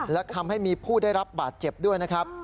และทำให้มีผู้ได้รับบาดเจ็บด้วยนะครับ